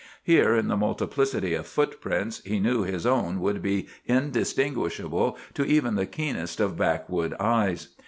Here, in the multiplicity of footprints, he knew his own would be indistinguishable to even the keenest of backwood eyes.